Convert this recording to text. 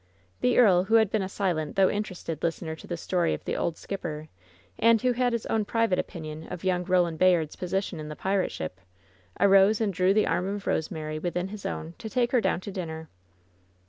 The earl, who had been a silent, though interested, listener to the story of the old skipper, and who had his own private opinion of young Roland Bayard's position in the pirate ship, arose and drew the arm of Kosemary within his own, to take her down to dinner.